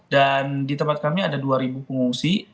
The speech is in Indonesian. dan di tempat kami ada dua ribu pengungsi